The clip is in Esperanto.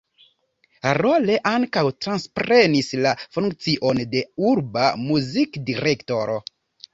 Rolle ankaŭ transprenis la funkcion de urba muzikdirektoro.